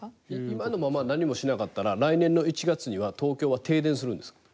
今のまま何もしなかったら来年の１月には東京は停電するんですか？